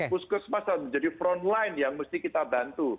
puskesmas itu menjadi front line yang mesti kita bantu